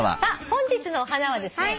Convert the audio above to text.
本日のお花はですね